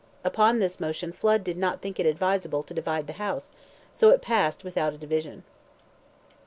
Upon this motion Flood did not think it advisable to divide the House, so it passed without a division.